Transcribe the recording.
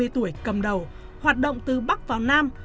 ba mươi tuổi cầm đầu hoạt động từ bắc vào nam